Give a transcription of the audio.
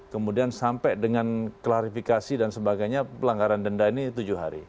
kemudian sampai dengan klarifikasi dan sebagainya pelanggaran denda ini tujuh hari